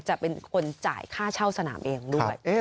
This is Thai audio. จะเป็นคนจ่ายค่าเช่าสนามเองด้วย